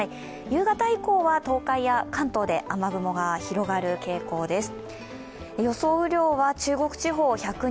夕方以降は、東海や関東で雨雲が広がる傾向です。